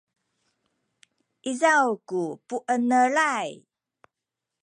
izaw ku puenelay